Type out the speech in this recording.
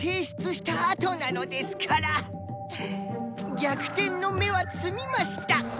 逆転の芽は摘みました！